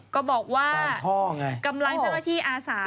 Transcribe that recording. ก็บอกว่ากำลังจะได้ที่อาสา